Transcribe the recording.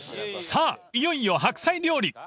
［さあいよいよ白菜料理。